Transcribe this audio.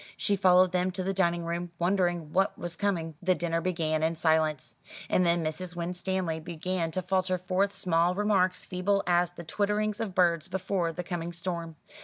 She followed them to the dining room, wondering what was coming. The dinner began in silence, and then Mrs. Winstanley began to falter forth small remarks, feeble as the twitterings of birds before the coming storm.